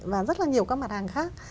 và rất là nhiều các mặt hàng khác